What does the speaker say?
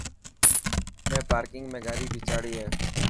مين پارڪنگ ۾ کاڌي ڀيچاڙي هي.